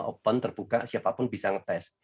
open terbuka siapapun bisa ngetes